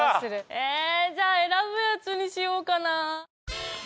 えー！じゃあ選ぶやつにしようかな。